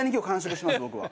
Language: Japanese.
僕は。